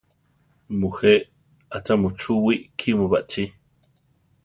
Mujé; achá muchúwi kímu baʼchí?